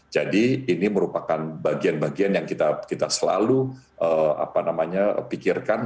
jadi ini merupakan bagian bagian yang kita selalu pikirkan